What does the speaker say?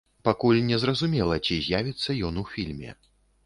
Пакуль не зразумела, ці з'явіцца ён у фільме.